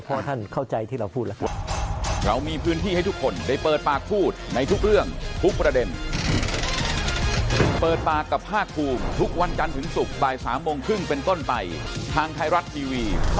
เพราะท่านเข้าใจที่เราพูดแล้วครับ